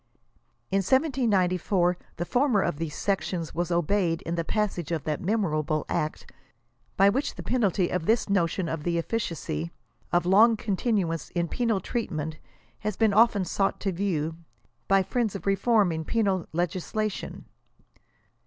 In 1794 the former of these sections was obeyed in the passage of that memorable act by which the penalty of •This notion of the efficacy of long continuance in penal treatment has been often brought to view, by friends of reform in penal legislation.